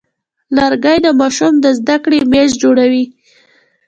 لرګی د ماشوم د زده کړې میز جوړوي.